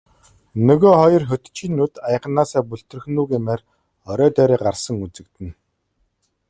Нөгөө хоёр хөтчийн нүд аяганаасаа бүлтрэх нь үү гэмээр орой дээрээ гарсан үзэгдэнэ.